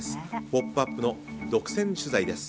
「ポップＵＰ！」の独占取材です。